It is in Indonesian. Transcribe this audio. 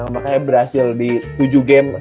makanya berhasil di tujuh game